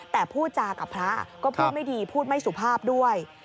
แต่พูดจากับพระก็พูดไม่ดีพูดไม่สุภาพด้วย